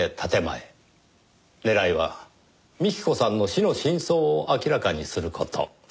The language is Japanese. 狙いは幹子さんの死の真相を明らかにする事。